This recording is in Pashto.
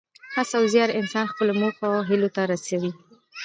هڅه او زیار انسان خپلو موخو او هیلو ته رسوي.